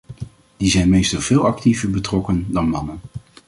Die zijn meestal veel actiever betrokken dan mannen.